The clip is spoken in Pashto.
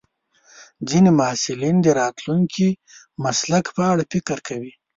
ځینې محصلین د راتلونکي مسلک په اړه فکر کوي.